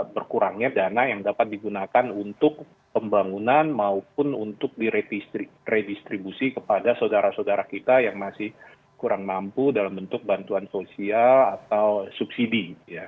berkurangnya dana yang dapat digunakan untuk pembangunan maupun untuk diredistribusi kepada saudara saudara kita yang masih kurang mampu dalam bentuk bantuan sosial atau subsidi